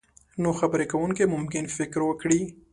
نو خبرې کوونکی ممکن فکر وکړي.